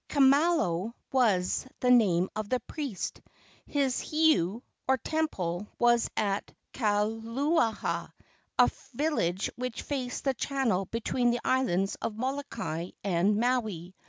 Kamalo was the name of the priest. His heiau, or temple, was at Kaluaaha, a village which faced the channel between the islands of Molokai and Maui.